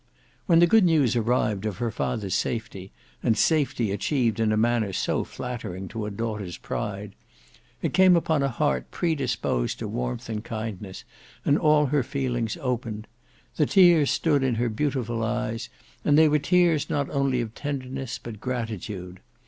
When the good news arrived of her father's safety, and safety achieved in a manner so flattering to a daughter's pride, it came upon a heart predisposed to warmth and kindness and all her feelings opened. The tears stood in her beautiful eyes, and they were tears not only of tenderness but gratitude.